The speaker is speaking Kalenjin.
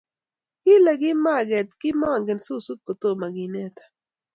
Kile kimakeet kimangen susut kotum kiineta